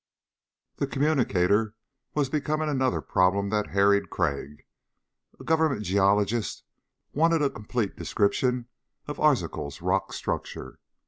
The communicator was becoming another problem that harried Crag. A government geologist wanted a complete description of Arzachel's rock structure.